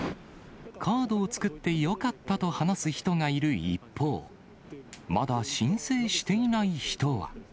カードを作ってよかったと話す人がいる一方、まだ申請していない人は。